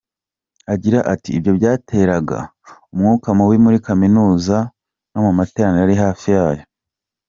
Agira ati “Ibyo byateraga umwuka mubi muri kaminuza no mu matorero ari hafi yayo.